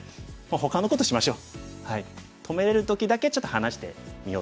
ほかのことしましょう。